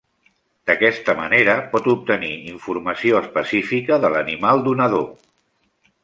D'aquesta manera pot obtenir informació específica de l'animal donador.